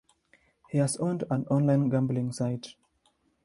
He has owned an online gambling site.